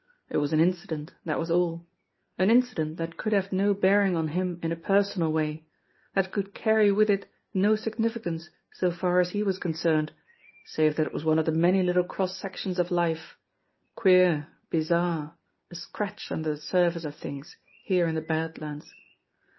It was an incident, that was all ; an inci dent that could have no bearing on him in a personal way, that could carry with it no significance so far as he was con cerned, save that it was one of the many little cross sections of life, queer, bizarre, a scratch under the surface of things, here in the Bad Lands.